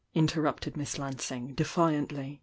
interrupted Miss Lansing, defiantly.